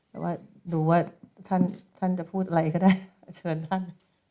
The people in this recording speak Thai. แต่ว่าดูว่าท่านจะพูดอะไรก็ได้เชิญท่าน